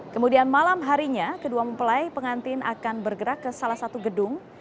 kemudian malam harinya kedua mempelai pengantin akan bergerak ke salah satu gedung